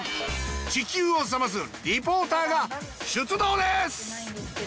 地球を冷ますリポーターが出動です